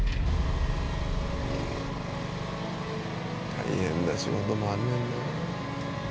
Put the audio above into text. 大変な仕事もあんねんなあ。